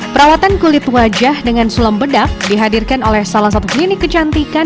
perawatan kulit wajah dengan sulam bedak dihadirkan oleh salah satu klinik kecantikan